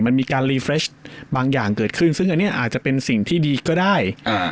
มันมีการรีเฟรชบางอย่างเกิดขึ้นซึ่งอันนี้อาจจะเป็นสิ่งที่ดีก็ได้อ่า